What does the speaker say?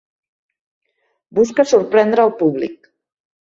Busca sorprendre al públic.